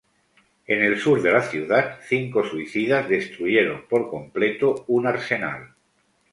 En el sur de la ciudad, cinco suicidas destruyeron por completo un arsenal.